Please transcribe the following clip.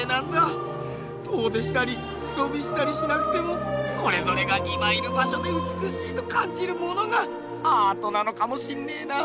遠出したり背のびしたりしなくてもそれぞれが今いる場所で美しいと感じるものがアートなのかもしんねえな。